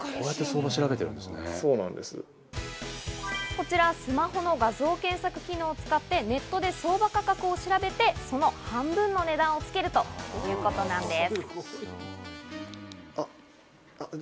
こちら、スマホの画像検索機能を使ってネットで相場価格を調べて、その半分の値段をつけるということなんです。